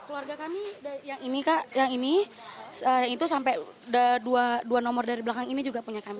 keluarga kami yang ini kak yang ini itu sampai dua nomor dari belakang ini juga punya kami